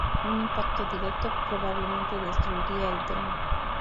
Un impacto directo probablemente destruiría el dron.